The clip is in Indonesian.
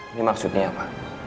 ini maksudnya apa